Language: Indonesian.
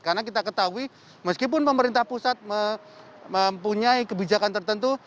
karena kita ketahui meskipun pemerintah pusat mempunyai kebijakan tertentu